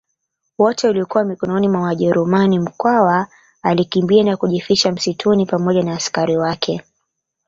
wote ulikuwa mikononi mwa wajerumani Mkwawa alikimbia na kujificha msituni pamoja na askari wake